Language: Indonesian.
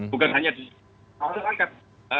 bukan hanya di masyarakat